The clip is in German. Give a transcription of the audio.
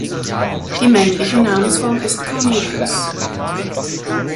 Die männliche Namensform ist Cornelius.